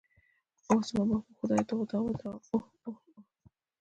اوه، زما محبوب خدایه ته خو دا ودروه، اوه اوه اوه.